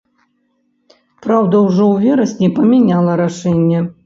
Праўда, ужо ў верасні памяняла рашэнне.